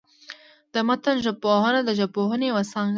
د متن ژبپوهنه، د ژبپوهني یوه څانګه ده.